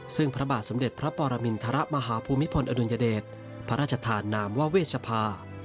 ซึ่งพระบาทสมเด็จพระปรมินทรมาฮภูมิพลอดุลยเดชพระราชธานามว่าเวชภา